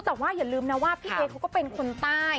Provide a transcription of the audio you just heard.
แต่ว่าอย่าลืมนะว่าพี่เอเขาก็เป็นคนใต้